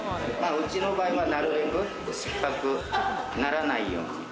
うちの場合はなるべく酸っぱくならないように。